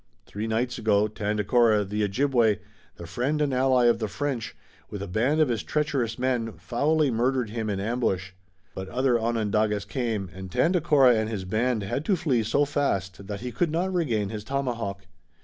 Three nights ago, Tandakora, the Ojibway, the friend and ally of the French, with a band of his treacherous men, foully murdered him in ambush. But other Onondagas came, and Tandakora and his band had to flee so fast that he could not regain his tomahawk.